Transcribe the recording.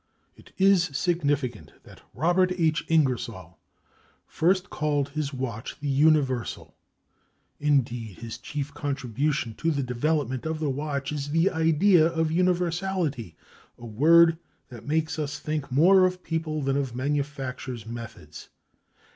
It is significant that Robert H. Ingersoll first called his watch the "Universal;" indeed, his chief contribution to the development of the watch is the idea of universality, a word that makes us think more of people than of manufacturers' methods.